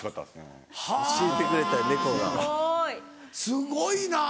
すごいな。